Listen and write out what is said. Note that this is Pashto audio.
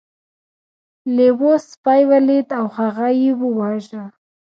لیوه سپی ولید او هغه یې وواژه.